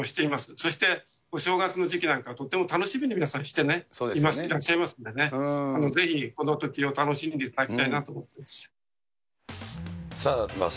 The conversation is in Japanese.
そして、お正月の時期なんかとっても楽しみに皆さんしていらっしゃいますんでね、ぜひこのときを楽しんでいただきたいなと思ってます。